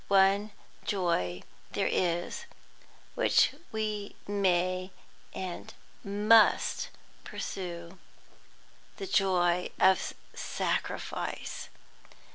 One joy there is which we may and must pursue, the joy of sacrifice.